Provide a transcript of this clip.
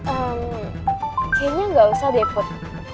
ehm kayaknya gak usah deh put